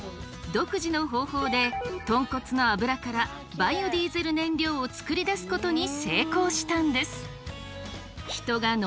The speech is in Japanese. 独自の方法でとんこつの油からバイオディーゼル燃料を作り出すことに成功したんです。